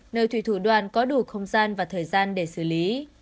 nơi thủy thủ đoàn có đủ không gian và thời gian để xử lý